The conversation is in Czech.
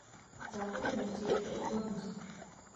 Základem moci je zde odbornost.